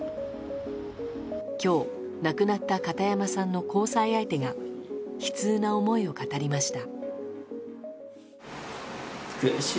今日、亡くなった片山さんの交際相手が悲痛な思いを語りました。